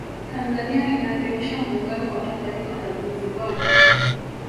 tanzania inaadhimisha muungano wa tanganyika na zanzibar